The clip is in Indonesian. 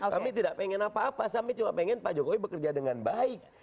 kami tidak ingin apa apa kami cuma pengen pak jokowi bekerja dengan baik